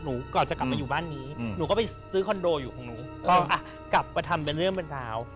หนูนูก่อนจะกลับมาอยู่บ้านนี้หนูก็ไปซื้อคอนโดอยู่ของหนูกว่ากลับมาทำบรรเวณบรรจาว